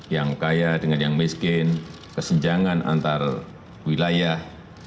yang kaya dengan yang miskin kesenjangan antar wilayah